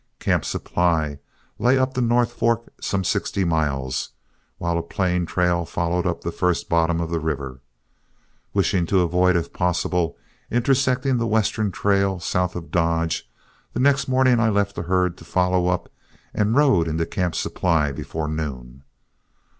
Camp Supply lay up the North Fork some sixty miles, while a plain trail followed up the first bottom of the river. Wishing to avoid, if possible, intersecting the western trail south of Dodge, the next morning I left the herd to follow up, and rode into Camp Supply before noon.